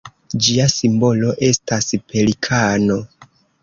Ĝia simbolo estas pelikano.